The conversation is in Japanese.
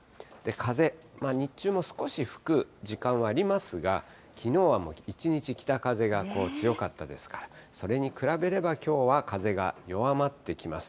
風、日中も少し吹く時間ありますが、きのうは一日、北風が強かったですから、それに比べれば、きょうは風が弱まってきます。